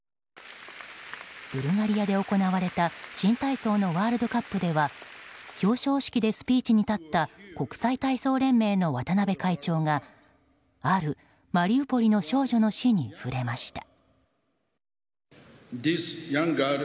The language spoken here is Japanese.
ブルガリアで行われた新体操のワールドカップでは表彰式でスピーチに立った国際体操連盟の渡邊会長が、あるマリウポリの少女の死に触れました。